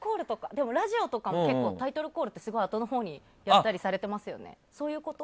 でもラジオとかも結構タイトルコールとかすごいあとのほうにされたりしていますよね。